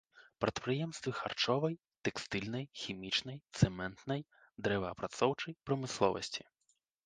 Прадпрыемствы харчовай, тэкстыльнай, хімічнай, цэментнай, дрэваапрацоўчай прамысловасці.